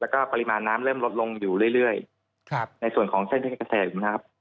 แล้วก็ปริมาณน้ำเริ่มลดลงอยู่เรื่อยในส่วนของเส้นขนมที่กระแสอยู่นะครับ